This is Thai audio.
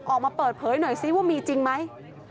ออกมาเปิดเผยหน่อยซิว่ามีจริงไหม